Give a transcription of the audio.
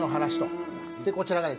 こちらがですね